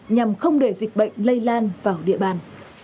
nhằm không để dịch bệnh lây lan vào địa bàn